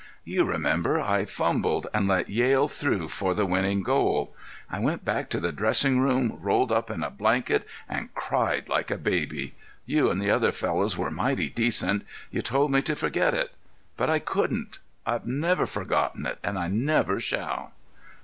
You remember I fumbled and let Yale through for the winning goal. I went back to the dressing room, rolled up in a blanket, and cried like a baby. You and the other fellows were mighty decent; you told me to forget it. But I couldn't. I've never forgotten it, and I never shall."